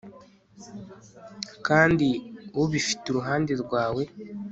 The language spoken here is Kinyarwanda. Kandi ubifite iruhande rwawe